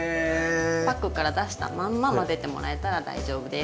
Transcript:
パックから出したまんま混ぜてもらえたら大丈夫です。